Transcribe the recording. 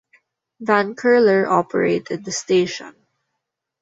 Van Curler operated the station.